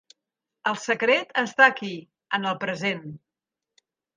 El secret està aquí, en el present.